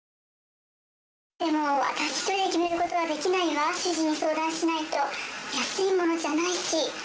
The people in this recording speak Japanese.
でも私一人で決めることはできないわ、主人に相談しないと、安いものじゃないし。